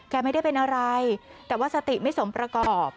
ไม่ได้เป็นอะไรแต่ว่าสติไม่สมประกอบ